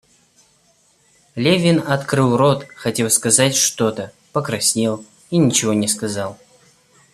Левин открыл рот, хотел сказать что-то, покраснел и ничего не сказал.